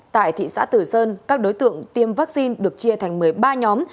tại thị xã tử sơn các đối tượng tiêm vaccine được chia thành một mươi ba nhóm